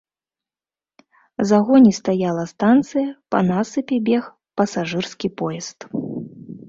За гоні стаяла станцыя, па насыпе бег пасажырскі поезд.